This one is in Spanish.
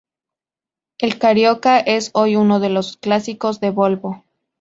El "Carioca" es hoy uno de los clásicos de Volvo.